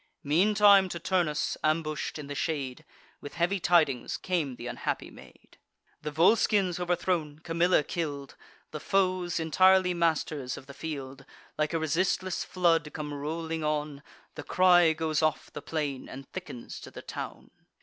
Meantime to Turnus, ambush'd in the shade, With heavy tidings came th' unhappy maid: "The Volscians overthrown, Camilla kill'd; The foes, entirely masters of the field, Like a resistless flood, come rolling on: The cry goes off the plain, and thickens to the town."